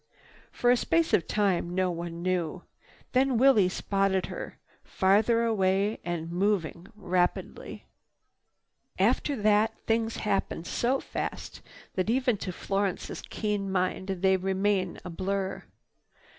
For a space of time, no one knew. Then Willie spotted her, farther away and moving rapidly. After that things happened so fast that even to Florence's keen mind they remain a blur.